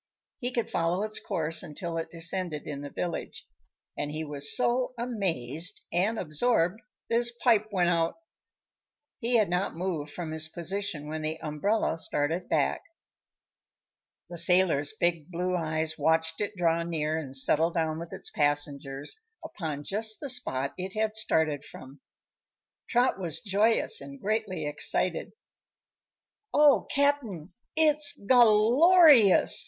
He could follow its course until it descended in the village and he was so amazed and absorbed that his pipe went out. He had not moved from his position when the umbrella started back. The sailor's big blue eyes watched it draw near and settle down with its passengers upon just the spot it had started from. Trot was joyous and greatly excited. "Oh, Cap'n, it's gal lor ious!"